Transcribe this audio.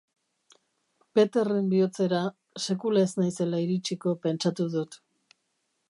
Peterren bihotzera sekula ez naizela iritsiko pentsatu dut.